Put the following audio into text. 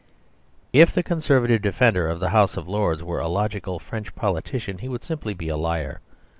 If the Conservative defender of the House of Lords were a logical French politician he would simply be a liar.